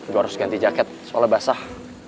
gue harus ganti jaket soalnya basah